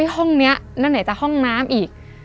ห้องนี้นั่นไหนจะห้องน้ำอีก